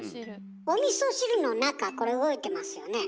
おみそ汁の中これ動いてますよね。